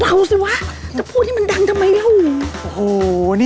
เบาสิวะจะพูดให้มันดังทำไมแล้ว